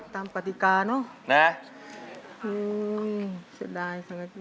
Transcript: ตามกฎิกาเนาะนะ